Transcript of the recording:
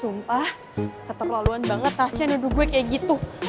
sumpah keterlaluan banget tasya nuduh gue kayak gitu